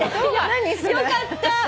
よかった。